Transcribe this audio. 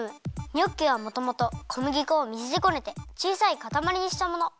ニョッキはもともとこむぎこをみずでこねてちいさいかたまりにしたもの。